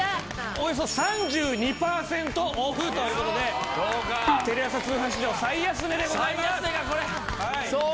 およそ３２パーセントオフという事でテレ朝通販史上最安値でございます。